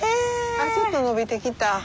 あっちょっと伸びてきた。